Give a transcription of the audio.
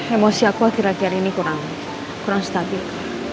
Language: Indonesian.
emosi aku akhir akhir ini kurang stabil